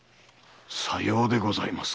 さようでございますか。